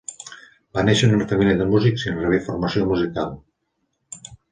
Va néixer en una família de músics i en rebé formació musical.